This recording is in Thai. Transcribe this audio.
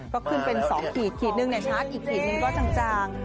ก็ขึ้นเป็น๒ขีดขีดหนึ่งชาร์จอีกขีดหนึ่งก็จาง